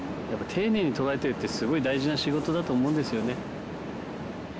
やっぱり丁寧に取られてるってすごい大事な仕事だと思うんですよね。